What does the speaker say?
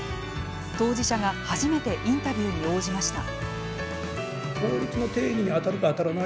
当事者が初めてインタビューに応じました。